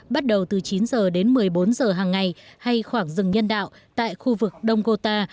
bắt đầu từ chín giờ đến một mươi bốn giờ hằng ngày hay khoảng dừng nhân đạo tại khu vực đông gota